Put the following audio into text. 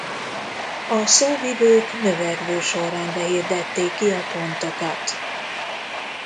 A szóvivők növekvő sorrendben hirdették ki a pontokat.